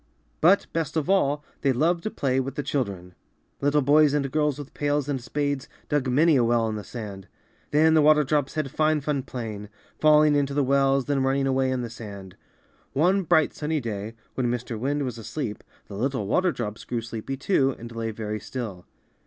But, best of all, they loved to play with the children. Little boys and girls with pails and spades dug many a well in the sand. Then the water drops had fine fun playing — falling FROST FAIRIES AND THE WATER DROPS. 21 into the wells, then running away in the sand. One bright sunny day, when Mr. Wind was asleep, the little water drops grew sleepy too, and lay very still.